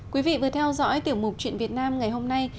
quý vị vừa theo dõi tiểu mục chuyện việt nam ngày hôm nay